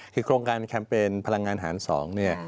คือโครงการแคมเปญพลังงานหารสอง